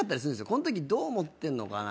このときどう思ってんのかな。